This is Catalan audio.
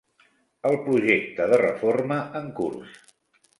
El projecte de reforma en curs.